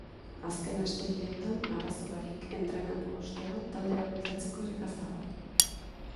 Azken aste biotan arazo barik entrenatu ostean taldera bueltatzeko irrikaz dago.